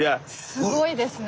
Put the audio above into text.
すごいですね。